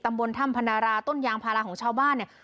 บนถ้ำพนาราต้นยางพาราของชาวบ้านเนี่ย